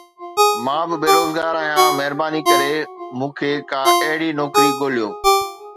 مان به بيروزگار آهيان، مهرباني ڪري مون کي ڪا اهڙي نوڪري ڳوليو